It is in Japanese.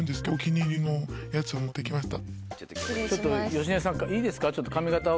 芳根さんいいですか髪形。